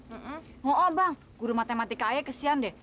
iya bang guru matematika aja kesian deh